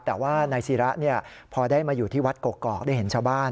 แต่ว่านายศิระพอได้มาอยู่ที่วัดกอกได้เห็นชาวบ้าน